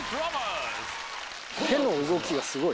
手の動きがすごい。